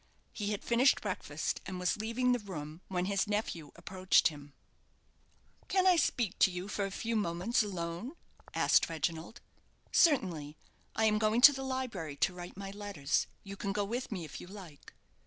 He had finished breakfast, and was leaving the room, when his nephew approached him "Can I speak to you for a few moments alone?" asked Reginald. "Certainly. I am going to the library to write my letters. You can go with me, if you like."